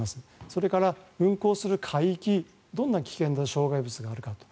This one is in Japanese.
それから運航する海域どんな危険で障害物があるかと。